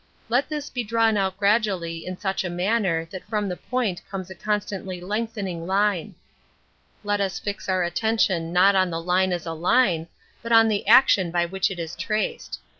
Ijet this drawn out gradually in such a manner ihat from the point comes a constantly lengthening line. Let us fix our attention 14 An Introduction to not on the line as a line, but on the action by which it is traced.